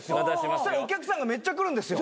そしたらお客さんがめっちゃ来るんですよ。